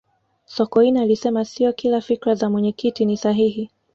sokoine alisema siyo kila fikra za mwenyekiti ni sahihi